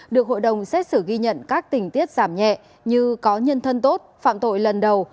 được hội đồng xét xử ghi nhận các tình tiết giảm nhẹ như có nhân thân tốt phạm tội lần đầu